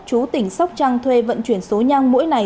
chú tỉnh sóc trăng thuê vận chuyển số nhang mũi này